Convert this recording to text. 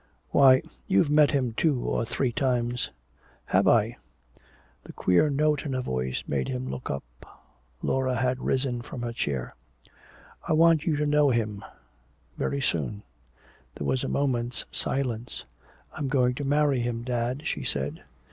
"Why you've met him two or three times " "Have I?" The queer note in her voice made him look up. Laura had risen from her chair. "I want you to know him very soon." There was a moment's silence. "I'm going to marry him, dad," she said.